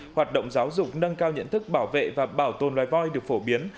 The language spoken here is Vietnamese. hoạt động giáo dục nâng cao nhận thức bảo vệ và bảo tồn loài voi được phổ biến